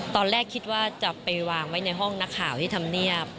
ตอนแรกคิดว่าจะไปวางไว้ในห้องนักข่าวที่ทำเนียบ